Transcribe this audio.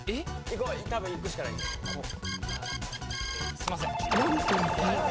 すいません。